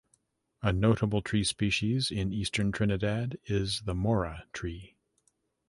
A notable tree species in eastern Trinidad is the "Mora" tree.